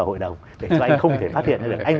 học để anh không thể phát hiện được anh